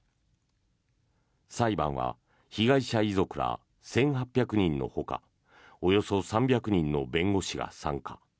裁判は被害者遺族ら１８００人のほかおよそ３００人の弁護士が参加。